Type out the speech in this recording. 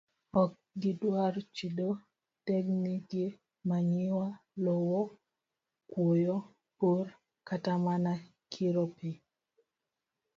Ok gidwar chido dendgi gi manyiwa, lowo, kuoyo, pur, kata mana kiro pi.